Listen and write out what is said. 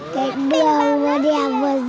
cái đường vừa đẹp vừa rộng